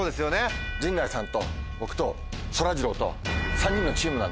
陣内さんと僕とそらジローと３人のチームなんで。